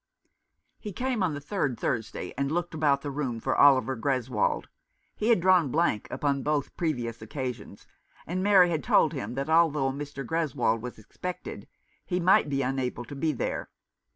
He came on the third Thursday, and looked about the room for Oliver Greswold. He had drawn blank upon both previous occasions, and Mary had told him that although Mr. Greswold was expected, he might be unable to be there.